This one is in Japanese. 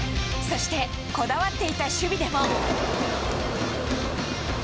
そして、こだわっていた守備でも。